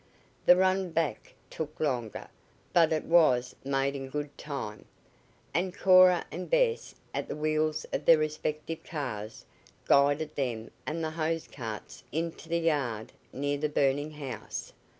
The run back took longer, but it was made in good time, and Cora and Bess, at the wheels of their respective cars, guided them and the hose carts into the yard near the burning house.